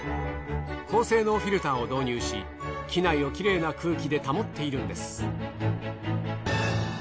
高性能フィルターを導入し機内をきれいな空気で保っているんです。